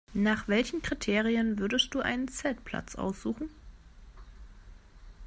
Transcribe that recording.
Nach welchen Kriterien würdest du einen Zeltplatz aussuchen?